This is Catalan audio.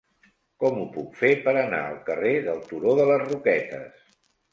Com ho puc fer per anar al carrer del Turó de les Roquetes?